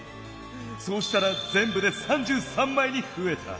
そうしたらぜんぶで３３まいにふえた！」。